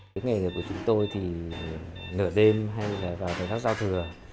nhiệm vụ của chúng tôi thì nửa đêm hay là vào thời khắc giao thừa